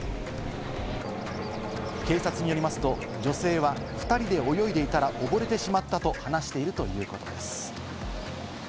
警察によりますと、女性は２人で泳いでいたら溺れてしまったと話しているということです。